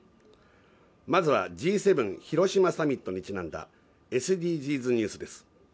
まずはＧ７広島サミットにちなんだＳＤＧｓニュースです。